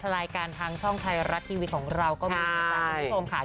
รายการทางช่องไทยรัดทีวีของเราก็มีทางผู้ชมค่ะ